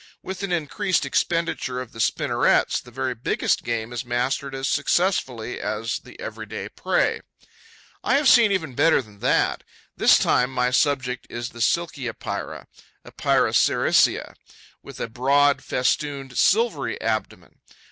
With an increased expenditure of the spinnerets, the very biggest game is mastered as successfully as the everyday prey. I have seen even better than that. This time, my subject is the Silky Epeira (Epeira sericea, OLIV.), with a broad, festooned, silvery abdomen.